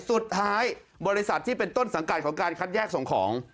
บริษัทที่เป็นต้นสังกัดของการคัดแยกส่งของ